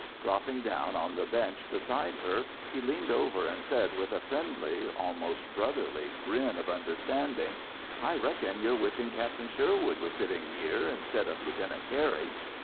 Dropping down on the bench beside her, he leaned over, and said with a friendly, almost brotherly, grin of understanding, "I reckon you're wishing Captain Sherwood was sitting here, instead of Lieutenant Cary."